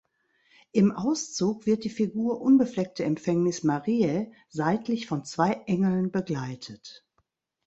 Im Auszug wird die Figur Unbefleckte Empfängnis Mariä seitlich von zwei Engeln begleitet.